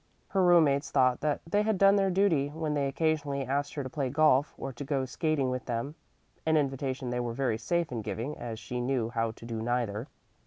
Her room mates thought that they had done their duty when they occasionally asked her to play golf or go skating with them (an invitation they were very safe in giving, as she knew how to do neither).